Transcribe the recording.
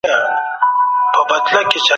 د تېر تاريخ له تجربو زده کړه وکړئ.